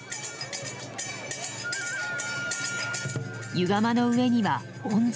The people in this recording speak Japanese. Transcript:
湯釜の上には鬼杖。